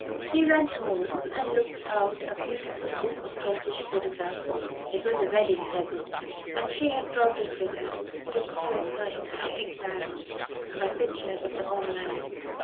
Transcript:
She went home and looked out a beautiful book of Kentish photographs. It was a wedding present, and she had brought it with her to solace her in her exile by pictures of the home land.